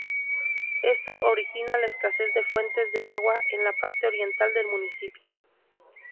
Esto origina la escasez de fuentes de agua en la parte oriental del municipio.